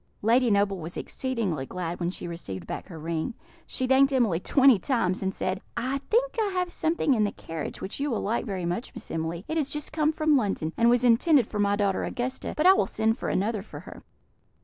Lady Noble was exceedingly glad when she received back her ring. She thanked Emily twenty times, and said, "I think I have something in the carriage which you will like very much, Miss Emily; it is just come from London, and was intended for my daughter Augusta; but I will send for another for her."